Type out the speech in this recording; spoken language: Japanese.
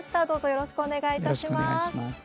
よろしくお願いします。